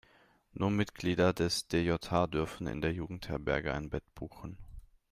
Nur Mitglieder des DJH dürfen in der Jugendherberge ein Bett buchen.